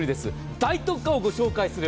大特価をご紹介する。